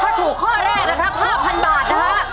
ถ้าถูกข้อแรกถูก๕๐๐๐บาทนะคะ